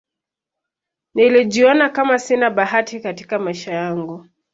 nilijiona Kama sina bahati Katika maisha yangu